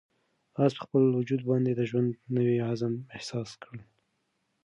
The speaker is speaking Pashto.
آس په خپل وجود باندې د ژوند نوی عزم احساس کړ.